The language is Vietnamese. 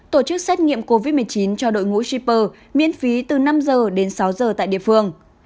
tổ chức xét nghiệm covid một mươi chín cho đội ngũ shipper miễn phí từ năm giờ đến sáu giờ tại địa phương